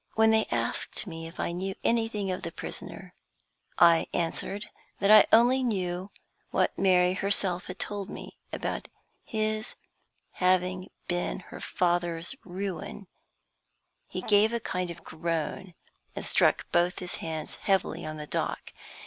When they asked me if I knew anything of the prisoner, and I answered that I only knew what Mary herself had told me about his having been her father's ruin, he gave a kind of groan, and struck both his hands heavily on the dock.